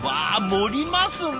盛りますね！